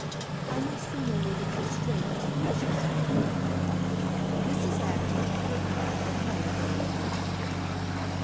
"I must remember that your strength is precious." Mrs. Acton took her hand and held it a moment.